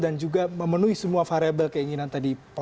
dan juga memenuhi semua variable keinginan tadi